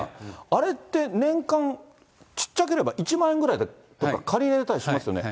あれって年間ちっちゃければ１万円ぐらいでどこか借りれたりしますよね。